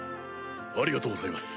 ありがとうございます。